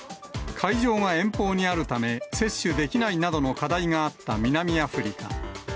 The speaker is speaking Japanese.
会場が遠方にあるため、接種できないなどの課題があった南アフリカ。